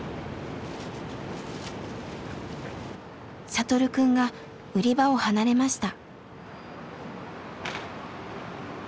聖くんが売り場を離れました。